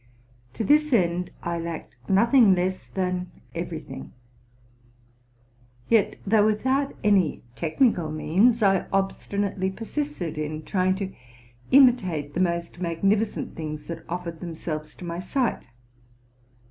'To this end I lacked nothing less than every thing; yet, though without any technical means, I obstinately persisted in trying to imitate the most magnificent things that offered themselves to my sight.